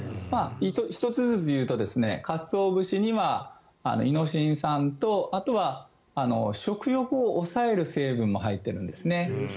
１つずつ言うとカツオ節にはイノシン酸とあとは食欲を抑える成分も入っているんですね。